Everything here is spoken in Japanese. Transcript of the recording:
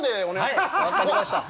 はい、分かりました。